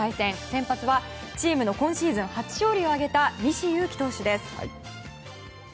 先発はチームの今シーズン初勝利を挙げた西勇輝投手です。